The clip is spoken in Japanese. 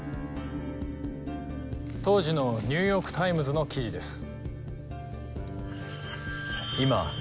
当時のニューヨークタイムズの記事です。